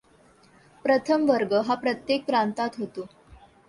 प्रथम वर्ग हा प्रत्येक प्रांतात होतो.